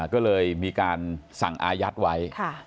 ก็เลยมีการสั่งอายัดไว้